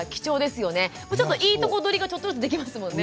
ちょっといいとこ取りがちょっとずつできますもんね。